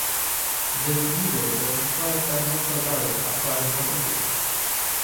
This revolt was inspired by Naxalbari uprising of India.